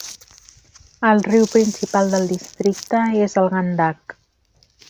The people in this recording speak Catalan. El riu principal del districte és el Gandak.